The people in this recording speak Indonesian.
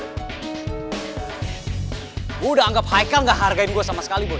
gue udah anggap haikal gak hargain gue sama sekali boy